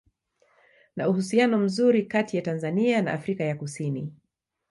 Na uhusiano mzuri kati ya Tanzania na Afrika ya kusini